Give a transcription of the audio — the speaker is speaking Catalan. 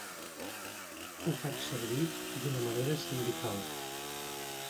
Ho faig servir d'una manera sindical.